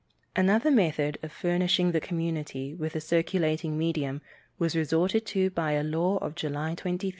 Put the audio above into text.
Another method of furnishing the community with a circulating medium was resorted to by a law of July 23, 1858.